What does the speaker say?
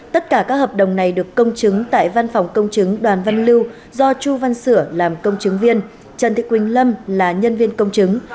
tất cả các hợp đồng này được công chứng tại văn phòng công chứng đoàn văn lưu do chu văn sửa làm công chứng viên trần thị quỳnh lâm là nhân viên công chứng